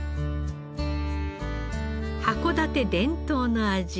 函館伝統の味